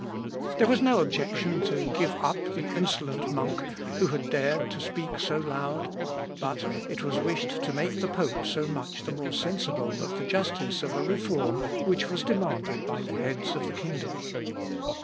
There was no objection to give up the insolent monk who had dared to speak so loud, but it was wished to make the pope so much the more sensible of the justice of a reform which was demanded by the heads of the kingdom.